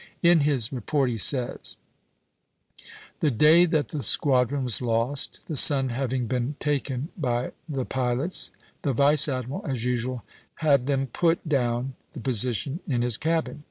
In his report he says: "The day that the squadron was lost, the sun having been taken by the pilots, the vice admiral as usual had them put down the position in his cabin.